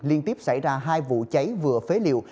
liên tiếp xảy ra hai vụ cháy vừa phế liệu